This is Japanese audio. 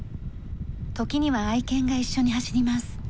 時には愛犬が一緒に走ります。